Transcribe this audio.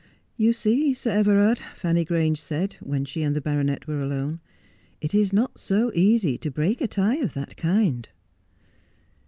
' You see, Sir Everard,' Fanny Grange said, when she and the baronet were alone, 'it is not so easy to break a tie of that kind.'